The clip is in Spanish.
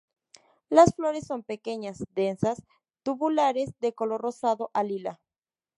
Las flores son pequeñas, densas, tubulares, de color rosado a lila.